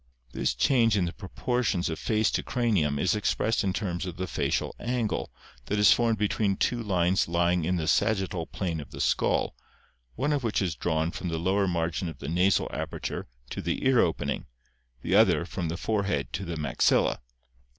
This change in the proportions of face to cranium is expressed in terms of the facial angle that is formed between two lines lying in the sagittal plane of the skull, one of which is drawn from the lower margin of the nasal aperture to the ear opening, the other from the forehead to the maxilla (see Fig.